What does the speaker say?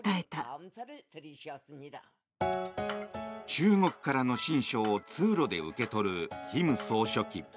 中国からの親書を通路で受け取る金総書記。